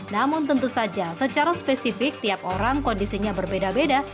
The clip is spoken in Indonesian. namun tentu saja secara spesifik tiap orang kondisinya berbeda beda